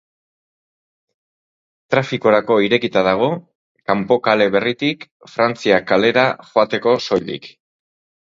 Trafikorako irekita dago, Kanpo kale berritik Frantzia kalera joateko soilik.